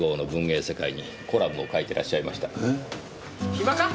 暇か？